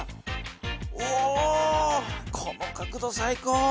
おこの角度最高。